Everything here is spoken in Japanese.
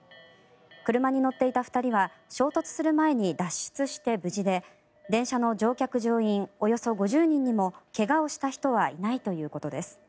車に乗っていた２人は衝突する前に脱出して無事で電車の乗員・乗客およそ５０人にも怪我をした人はいないということです。